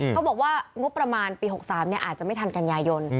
เขาบอกว่างบประมาณปี๖๓อาจจะไม่ทันกันยายน